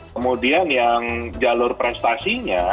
kemudian yang jalur prestasinya